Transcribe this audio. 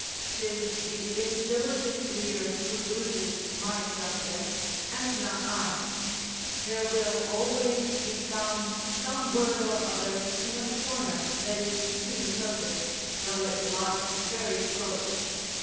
'Tis the indiligent reader who loses my subject, and not I; there will always be found some word or other in a corner that is to the purpose, though it lie very close.